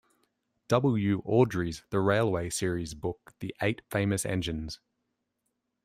W. Awdry's "The Railway Series" book 'The Eight Famous Engines'.